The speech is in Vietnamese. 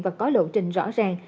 và có lộ trình rõ ràng